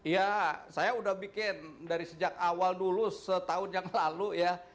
ya saya udah bikin dari sejak awal dulu setahun yang lalu ya